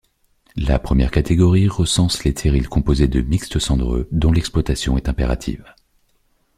La première catégorie recense les terrils composés de mixtes cendreux, dont l'exploitation est impérative.